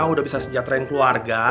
udah bisa sejahterain keluarga